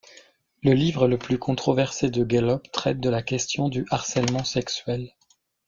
Le livre le plus controversé de Gallop traite de la question du harcèlement sexuel.